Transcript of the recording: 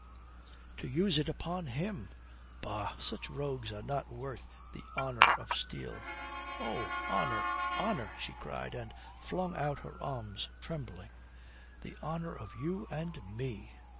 "To use it upon him! Bah, such rogues are not worth the honour of steel." "Oh! Honour! Honour!" she cried and flung out her arms, trembling. "The honour of you and me!"